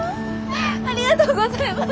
ありがとうございます！